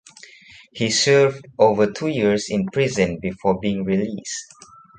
He served over two years in prison before being released.